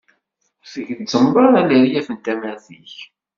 Ur tgezzmeḍ ara leryaf n tamart-ik.